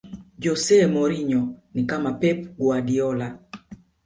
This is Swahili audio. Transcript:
jose mourinho ni kama pep guardiola